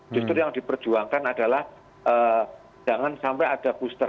justru yang diperjuangkan adalah jangan sampai ada booster